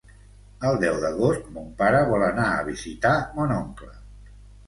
El deu d'agost mon pare vol anar a visitar mon oncle.